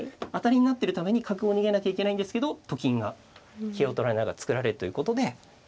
当たりになってるために角を逃げなきゃいけないんですけど。と金が桂を取られながら作られるということで。